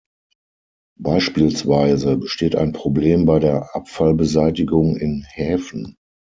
Beispielsweise besteht ein Problem bei der Abfallbeseitigung in Häfen.